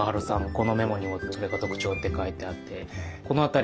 このメモにもそれが特徴って書いてあって。